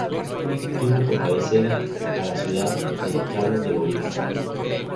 Tuvo por cabecera a la ciudad de El Carmen de Bolívar.